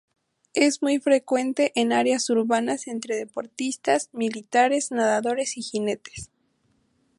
Es muy frecuente en áreas urbanas, entre deportistas, militares, nadadores y jinetes.